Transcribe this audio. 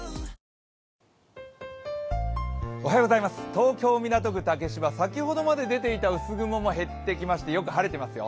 東京・港区竹芝、先ほどまで出ていた薄雲も減ってきましてよく晴れていますよ。